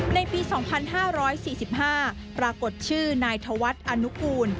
ในปี๒๕๔๕ปรากฏชื่อนายธวัฒน์อนุกูล